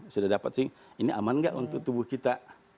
sudah dapat sih ini aman nggak untuk tubuh kita